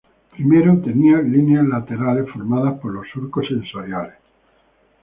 Primero, tenía líneas laterales formadas por los surcos sensoriales.